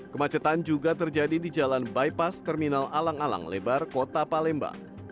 kemacetan juga terjadi di jalan bypass terminal alang alang lebar kota palembang